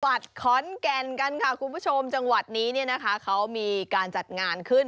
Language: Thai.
วัดขอนแก่นกันค่ะคุณผู้ชมจังหวัดนี้เนี่ยนะคะเขามีการจัดงานขึ้น